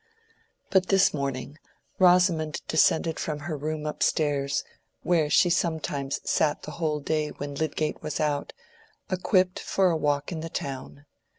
But this morning Rosamond descended from her room upstairs—where she sometimes sat the whole day when Lydgate was out—equipped for a walk in the town.